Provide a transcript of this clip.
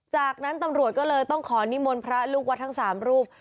จากนั้นตำรวจก็เลยต้องขอนิมนต์พระลูกวัดทั้ง๓รูป